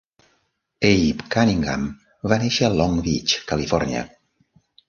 Abe Cunningham va néixer a Long Beach, Califòrnia.